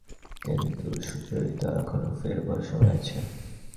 কিন্তু, সুচরিতা, এখনো ফেরবার সময় আছে।